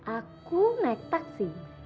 aku naik taksi